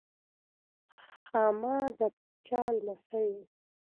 خاما د پاچا لمسی و.